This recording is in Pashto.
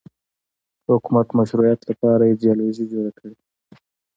حکومت مشروعیت لپاره ایدیالوژي جوړه کړي